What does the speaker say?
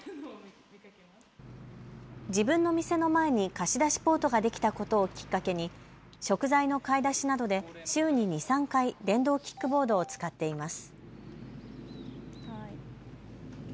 自分の店の前に貸し出しポートができたことをきっかけに食材の買い出しなどで週に２、３回、電動キックボードを使っています。